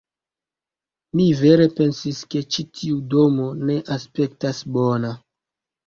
Mi vere pensis, ke ĉi tiu domo ne aspektas bona